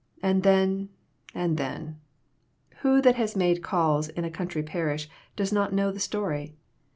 And then, and then who, that has made calls in a country parish, does not know the story?